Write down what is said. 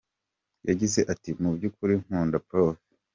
Yagize ati “Mu by’ukuri nkunda Prof.